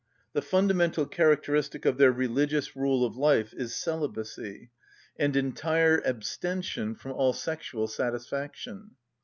The fundamental characteristic of their religious rule of life is celibacy and entire abstention from all sexual satisfaction.